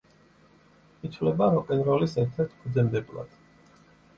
ითვლება როკ-ენ-როლის ერთ-ერთ ფუძემდებლად.